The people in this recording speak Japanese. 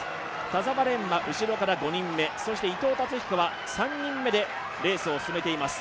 田澤廉は後ろから５人目、伊藤達彦は３人目でレースを進めています。